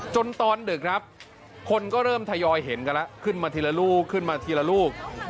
ตอนดึกครับคนก็เริ่มทยอยเห็นกันแล้วขึ้นมาทีละลูกขึ้นมาทีละลูก